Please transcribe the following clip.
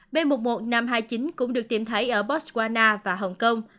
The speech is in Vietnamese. b một một năm trăm hai mươi chín cũng được tìm thấy ở botswana và hồng kông